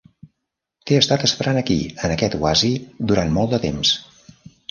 T'he estat esperant aquí, en aquest oasi, durant molt de temps.